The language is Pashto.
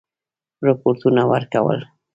رپوټونه ورکول.